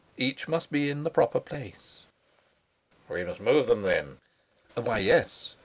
Each must be in the proper place." "We must move them then?" "Why, yes.